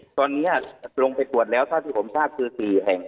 ตอนนี้ลงไปตรวจแล้วเท่าที่ผมทราบคือ๔แห่ง